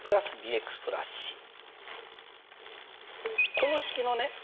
この式のね